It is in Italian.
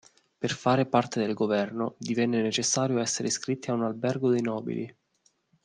Per fare parte del governo, divenne necessario essere iscritti a un Albergo dei Nobili.